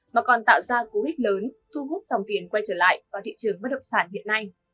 mà còn tạo ra cú hích lớn thu hút dòng tiền quay trở lại vào thị trường bất động sản hiện nay